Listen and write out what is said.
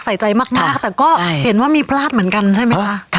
ใส่ใจมากแต่ก็เห็นว่ามีพลาดเหมือนกันใช่ไหมคะ